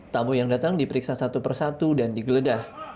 tamu yang datang diperiksa satu persatu dan digeledah